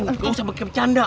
gak usah bikin bercanda